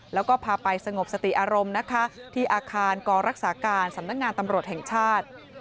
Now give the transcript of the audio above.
แล้วก็พาไปสงบสติอารมณ์นะคะที่อาคารกรักษาการสำนักงานตำรวจแห่งชาติ